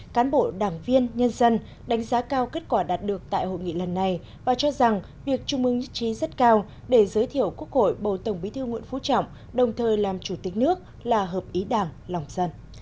cán bộ đảng viên nhân dân đánh giá cao kết quả đạt được tại hội nghị lần này và cho rằng việc trung ương nhất trí rất cao để giới thiệu quốc hội bầu tổng bí thư nguyễn phú trọng đồng thời làm chủ tịch nước là hợp ý đảng lòng dân